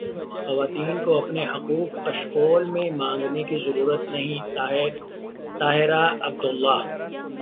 خواتین کو اپنے حقوق کشکول میں مانگنے کی ضرورت نہیں طاہرہ عبداللہ